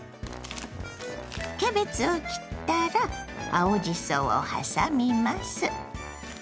キャベツを切ったら青じそをはさみます。